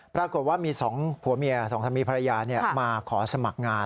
ปรากฏว่ามี๒ผัวเมียสองสามีภรรยามาขอสมัครงาน